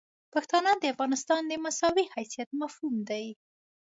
پښتانه د افغانستان د مساوي حیثیت مفهوم دي.